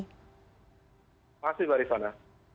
terima kasih mbak risana